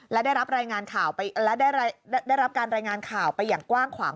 และได้รับการรายงานข่าวไปอย่างกว้างขวาง